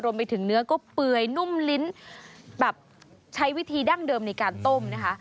เนื้อก็เปื่อยนุ่มลิ้นแบบใช้วิธีดั้งเดิมในการต้มนะคะ